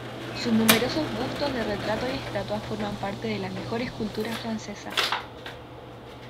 Sus numerosos bustos de retrato y estatuas forman parte de la mejor escultura francesa.